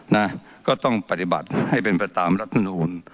นะก็ต้องปฎิบัติให้เป็นประตามรัฐธรรมหุล